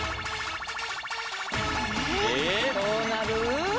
どうなる？